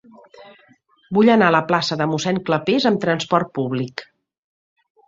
Vull anar a la plaça de Mossèn Clapés amb trasport públic.